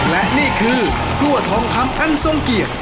และนี่คือซั่วทองคำอันทรงเกียรติ